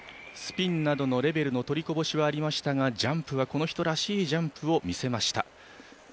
スピンなどのレベルの取りこぼしはありましたがジャンプはこの人らしいジャンプを見せました。